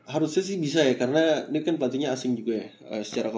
harusnya sih bisa ya karena ini kan pasalnya juga ada yang berbeda sih di jeda ini gitu